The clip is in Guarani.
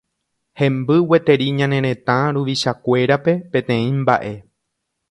Hemby gueteri ñane retã ruvichakuérape peteĩ mba'e